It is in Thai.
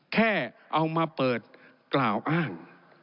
แค่เอามาเปิดกล่าวอ้าง